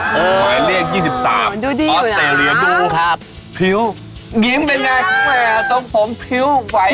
หมายเลี่ยง๒๓ออสเตรเลียดูผิวยิ้มเป็นยังไงคุณแม่ส้มผมผิวไหว